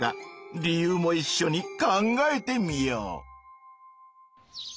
理由もいっしょに考えてみよう。